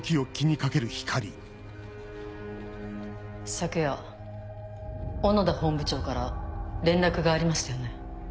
昨夜小野田本部長から連絡がありましたよね？